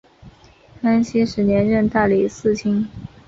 康熙十年任大理寺卿。